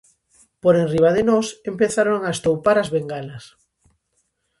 Por enriba de nós empezaron a estoupar as bengalas.